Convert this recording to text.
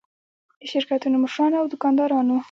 د شرکتونو مشرانو او دوکاندارانو.